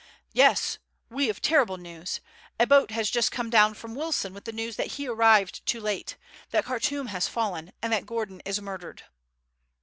"Yes, we have terrible news. A boat has just come down from Wilson with the news that he arrived too late; that Khartoum has fallen, and that Gordon is murdered."